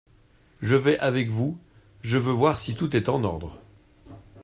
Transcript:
Je vais avec vous… je veux voir si tout est en ordre.